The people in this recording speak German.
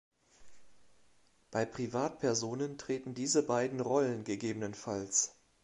Bei Privatpersonen treten diese beiden Rollen ggf.